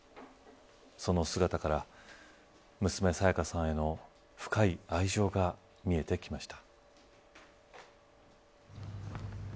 その姿から娘、沙也加さんへの深い愛情が見えてきました。